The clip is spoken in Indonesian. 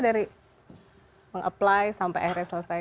dari meng apply sampai akhirnya selesai